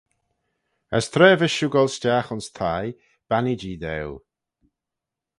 As tra vees shiu goll stiagh ayns thie, bannee-jee daue.